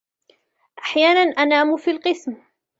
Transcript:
أحيانا ، أنام في القسم.